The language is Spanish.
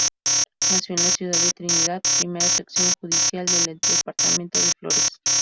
Nació en la ciudad de Trinidad, primera Sección Judicial del departamento de Flores.